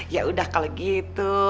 ya udah kalau gitu